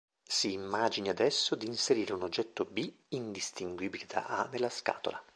Si immagini adesso di inserire un oggetto B, indistinguibile da A nella scatola.